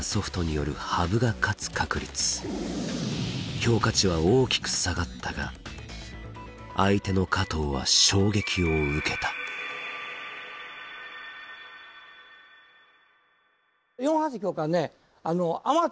評価値は大きく下がったが相手の加藤は衝撃を受けた４八玉はねあまた